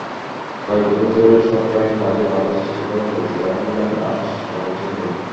কয়েক বছর ধরে সরকারী কাজে বাধা সৃষ্টি করে পত্রিকার হেডলাইনে আসার চেষ্টা করছে সে।